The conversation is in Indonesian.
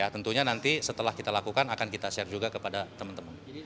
tentunya nanti setelah kita lakukan akan kita share juga kepada teman teman